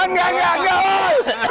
enggak enggak enggak